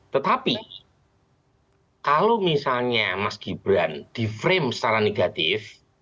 tetapi kalau misalnya mas gibran di frame secara negatif